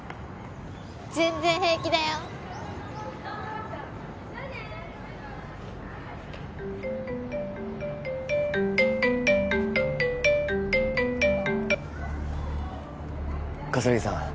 全然平気だよ葛城さん